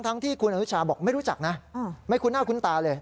ที่คุณอนุชาบอกไม่รู้จักนะไม่คุ้นหน้าคุ้นตาเลย